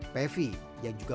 pevi yang juga